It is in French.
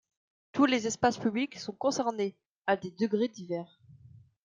Tous les espaces publics sont concernés, à des degrés divers.